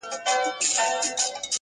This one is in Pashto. ابليس وركړله پر مخ څپېړه كلكه -